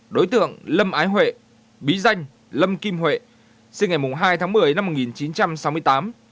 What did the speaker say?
đối tượng lâm ái huệ bí danh lâm kim huệ sinh ngày hai tháng một mươi năm một nghìn chín trăm sáu mươi tám